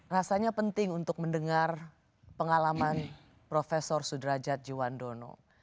rasanya penting untuk mendengar pengalaman prof sudrajat jiwandono